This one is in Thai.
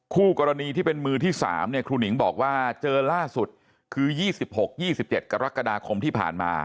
คู่กรณีที่เป็นมือที่๓ครูหนิงบอกว่าเจอล่าสุดคือ๒๖๒๗กรกฎาคมที่ผ่านมา